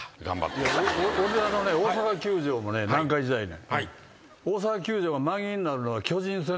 大阪球場もね南海時代に。